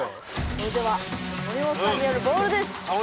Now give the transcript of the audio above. それでは森本さんによる「ボール」です！